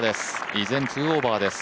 依然、２オーバーです。